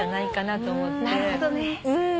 なるほどね。